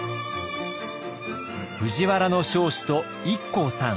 藤原彰子とＩＫＫＯさん。